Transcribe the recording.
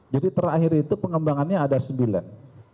jadi terakhir itu pengembangannya ada sembilan